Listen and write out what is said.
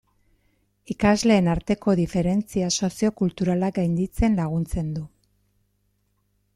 Ikasleen arteko diferentzia soziokulturalak gainditzen laguntzen du.